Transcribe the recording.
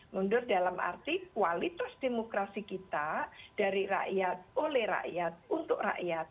mundur dalam arti kualitas demokrasi kita dari rakyat oleh rakyat untuk rakyat